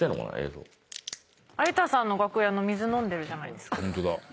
有田さんの楽屋の水飲んでるじゃないですか。